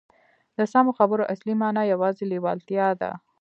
د سمو خبرو اصلي مانا یوازې لېوالتیا ده